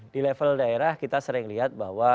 di level daerah kita sering lihat bahwa